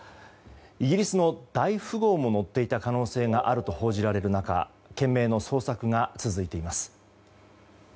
イギリスの大富豪も乗っていた可能性があると報じられる中懸命の捜索が続いています。